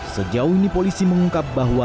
sejauh ini polisi mengungkap bahwa